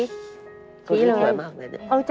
สวยที่สวยมากนะจ๊ะ